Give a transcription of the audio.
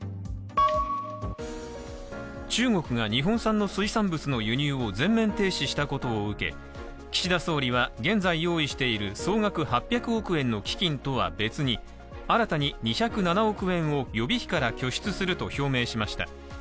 中国が日本産の水産物の輸入を全面停止したことを受け岸田総理は現在用意している総額８００億円の基金とは別に新たに２０７億円を予備費から拠出すると表明しました。